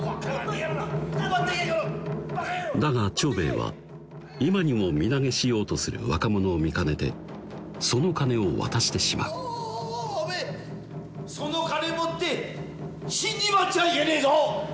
だが長兵衛は今にも身投げしようとする若者を見かねてその金を渡してしまう「あぁおめえその金持って死んじまっちゃあいけねえぞ！」